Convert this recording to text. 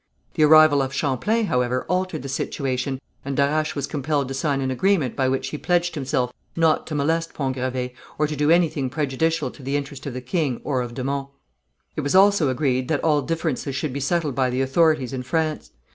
The arrival of Champlain, however, altered the situation, and Darache was compelled to sign an agreement by which he pledged himself not to molest Pont Gravé, or to do anything prejudicial to the interest of the king or of de Monts. It was also agreed that all differences should be settled by the authorities in France.